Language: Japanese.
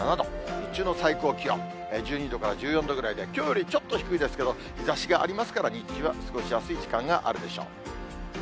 日中の最高気温、１２度から１４度ぐらいで、きょうよりちょっと低いですけど、日ざしがありますから、日中は過ごしやすい時間があるでしょう。